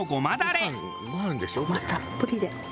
ゴマたっぷりで。